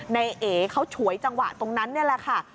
ในเอเขาฉวยจังหวะตรงนั้นนี่แหละค่ะ